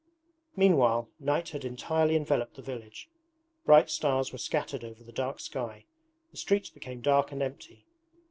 Meanwhile night had entirely enveloped the village. Bright stars were scattered over the dark sky. The streets became dark and empty.